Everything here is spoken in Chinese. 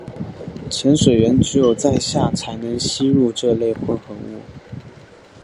潜水员只有在下才能吸入这类混合物。